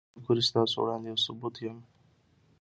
ما ته گورې ستاسو وړاندې يو ثبوت يم